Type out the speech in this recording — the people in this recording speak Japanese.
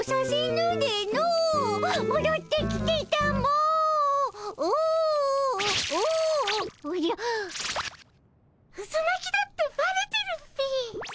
うそなきだってバレてるっピィ。